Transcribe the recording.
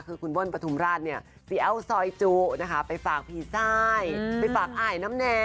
คือคุณเบิ้ลปฐุมราชเนี่ยฟิเอลซอยจูไปฝากพี่ทรายไปฝากอ่ายน้ำแน